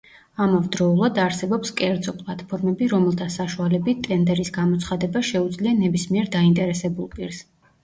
ამავდროულად, არსებობს კერძო პლატფორმები, რომელთა საშუალებით ტენდერის გამოცხადება შეუძლია ნებისმიერ დაინტერესებულ პირს.